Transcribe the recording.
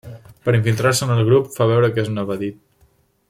Per infiltrar-se en el grup fa veure que és un evadit.